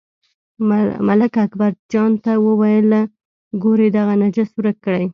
ملک اکبرجان ته وویل، ګورئ دغه نجس ورک کړئ.